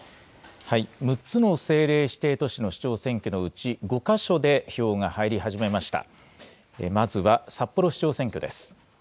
６つの政令指定都市の市長選挙のうち、５か所で票が入り始めました。